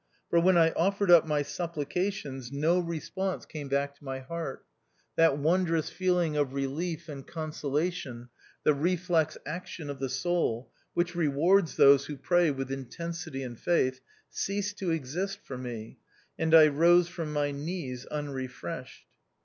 For when I offered up my supplications, no response came back to my heart ; that wondrous feeling of relief and consolation, the reflex action of the soul which rewards those who pray with in tensity and faith, ceased to exist for me, and I rose from my knees unrefreshed.